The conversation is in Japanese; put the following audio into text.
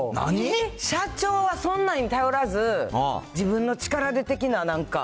社長はそんなんに頼らず、自分の力で的な、なんか。